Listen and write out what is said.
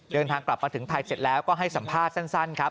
เดินทางกลับมาถึงไทยเสร็จแล้วก็ให้สัมภาษณ์สั้นครับ